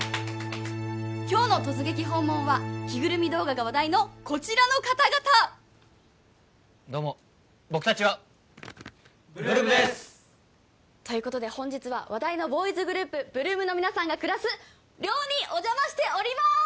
今日の突撃訪問は着ぐるみ動画が話題のこちらの方々どうも僕達は８ＬＯＯＭですということで本日は話題のボーイズグループ８ＬＯＯＭの皆さんが暮らす寮におじゃましております！